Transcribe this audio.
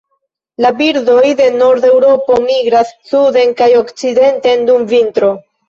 La birdoj de norda Eŭropo migras suden kaj okcidenten dum vintro.